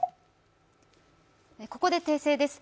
ここで訂正です。